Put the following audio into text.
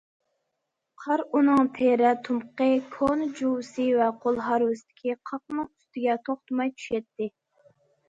قار ئۇنىڭ تېرە تۇمىقى، كونا جۇۋىسى ۋە قول ھارۋىسىدىكى قاقنىڭ ئۈستىگە توختىماي چۈشەتتى.